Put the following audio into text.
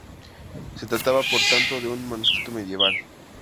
Se trataba, por tanto, de un manuscrito medieval.